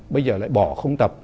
bây giờ lại bỏ không tập